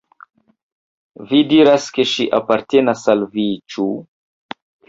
Vi diras, ke ŝi apartenas al vi, ĉu!